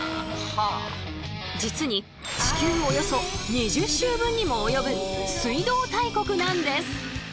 実に地球およそ２０周分にも及ぶ水道大国なんです。